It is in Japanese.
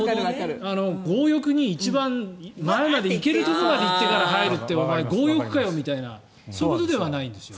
一番前まで行けるところまで行ってから入るってお前、強欲かよみたいなそういうことじゃないんですね？